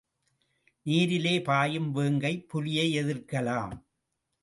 நேரிலே பாயும் வேங்கைப் புலியை எதிர்க்கலாம்.